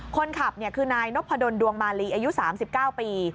คนขับคือนายนพดลดวงมาลีอายุ๓๙ปี